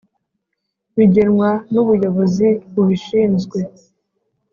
bigenwa n’ubuyobozi bubishinzwe